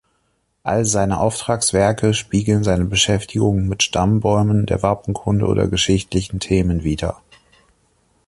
All seine Auftragswerke spiegeln seine Beschäftigung mit Stammbäumen, der Wappenkunde oder geschichtlichen Themen wieder.